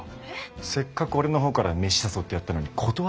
せっかく俺のほうから飯誘ってやったのに断りやがってさ。